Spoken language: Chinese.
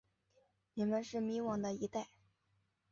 你们是迷惘的一代。